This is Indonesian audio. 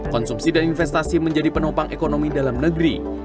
konsumsi dan investasi menjadi penopang ekonomi dalam negeri